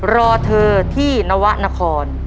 รอเธอที่นวะนคร